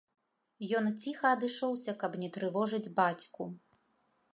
Ён ціха адышоўся, каб не трывожыць бацьку.